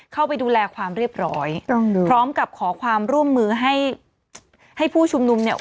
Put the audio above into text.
เข้าไปดูแลความเรียบร้อยพร้อมกับขอความร่วมมือให้ให้ผู้ชุมนุมเนี่ย